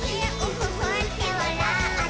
ふっふってわらって」